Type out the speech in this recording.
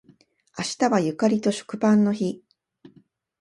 明日はゆかりと食パンの日